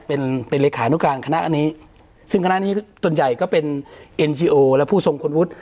เป็นเป็นขณะอันนี้ซึ่งขณะนี้ต้นใหญ่ก็เป็นและผู้ทรงคนวุฒิ